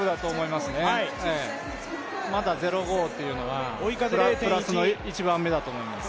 まだ０５というのはプラスの１番目だと思います。